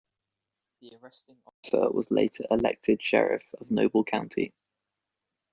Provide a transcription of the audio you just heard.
The arresting officer was later elected sheriff of Noble County.